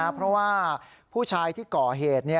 เพราะว่าผู้ชายที่ก่อเหตุ